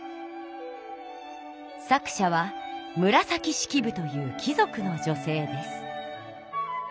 作者は紫式部という貴族の女性です。